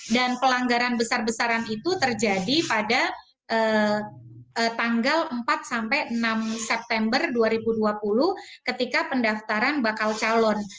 dan pelanggaran besar besaran itu terjadi pada tanggal empat enam september dua ribu dua puluh ketika pendaftaran bakal calon